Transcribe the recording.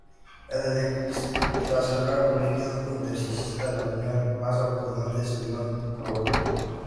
En el extracelular o líquido intersticial, el anión más abundante es el ion cloruro.